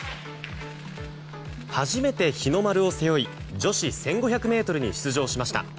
初めて日の丸を背負い女子１５００ｍに出場しました。